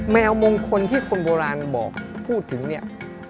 แมวมงคลที่คนโบราณบอกพูดถึงเนี่ย